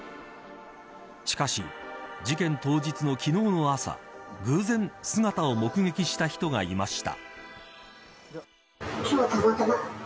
しかし、事件当日の昨日の朝偶然姿を目撃した人がいました。